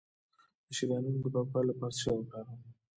د شریانونو د پاکوالي لپاره څه شی وکاروم؟